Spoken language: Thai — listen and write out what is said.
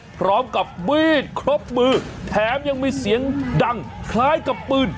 พร้อมกับมีดครบมือแถมยังมีเสียงดังคล้ายกับปืน